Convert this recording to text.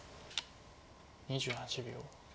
２８秒。